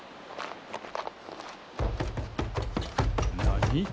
何？